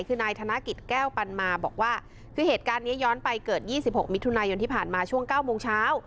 คือนายธนกิจแก้วปันมาบอกว่าคือเหตุการณ์นี้ย้อนไปเกิด๒๖มิถุนายนที่ผ่านมาช่วง๙โมงเช้า